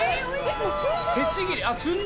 手ちぎり。